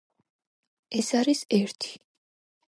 ეს არის ერთი.